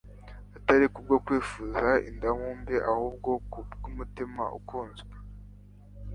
Atari kubwo kwifuza indamu mbi ahubwo kubw'umutima ukunze.